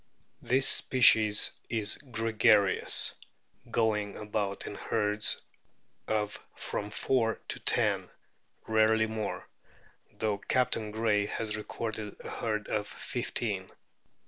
This species is gregarious, going about in herds of from four to ten, rarely more, though Captain Gray has recorded a herd of fifteen.